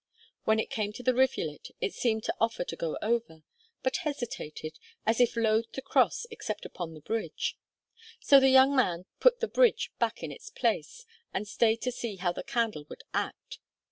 When it came to the rivulet it seemed to offer to go over, but hesitated, as if loth to cross except upon the bridge. So the young man put the bridge back in its place, and stayed to see how the candle would act.